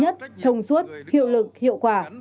thông suốt hiệu lực hiệu quả